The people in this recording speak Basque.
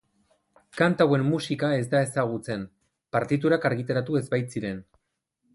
Kanta hauen musika ez da ezagutzen, partiturak argitaratu ez baitziren.